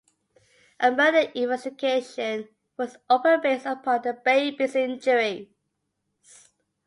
A murder investigation was opened based upon the baby's injuries.